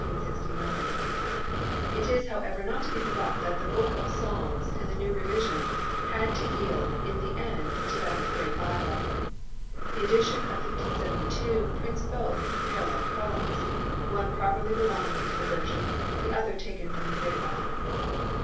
It is however not to be forgotten that the Book of Psalms in the new revision had to yield in the end to that in the Great Bible. The edition of 1572 prints both in parallel columns one properly belonging to the version, the other taken from the Great Bible.